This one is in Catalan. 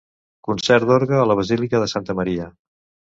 Concert d'orgue a la Basílica de Santa Maria.